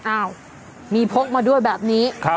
อ้าวมีพกมาด้วยแบบนี้